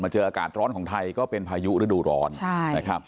เจออากาศร้อนของไทยก็เป็นพายุฤดูร้อนนะครับ